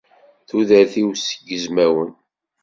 Tudert-iw seg yizmawen.